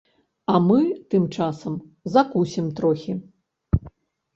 А мы тым часам закусім трохі.